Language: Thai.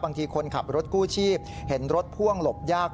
คนขับรถกู้ชีพเห็นรถพ่วงหลบยาก